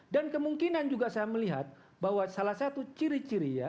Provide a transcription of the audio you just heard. dan kemungkinan juga saya melihat bahwa salah satu ciri ciri ya